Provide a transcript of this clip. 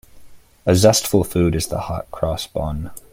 A zestful food is the hot-cross bun.